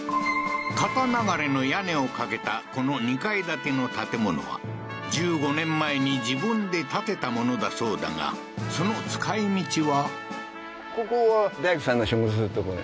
片流れの屋根をかけたこの２階建ての建物は１５年前に自分で建てたものだそうだがその使い道は作業所